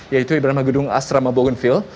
yaitu yang bernama gedung asrama bogenville